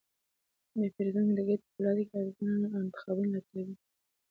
پیرودونکی د ګټې په لټه کې ارزانه انتخابونه لټوي.